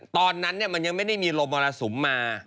ตอนนั้นเนี่ยมันยังไม่ได้มีลมมอลโหลสุมมา